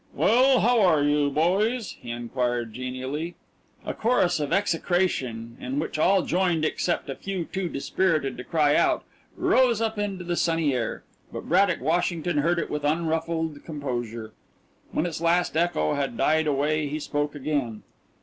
"Well, how are you, boys?" he inquired genially. A chorus of execration, in which all joined except a few too dispirited to cry out, rose up into the sunny air, but Braddock Washington heard it with unruffled composure. When its last echo had died away he spoke again.